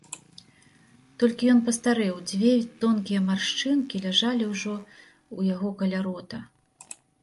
Толькі ён пастарэў, дзве тонкія маршчынкі ляжалі ўжо ў яго каля рота.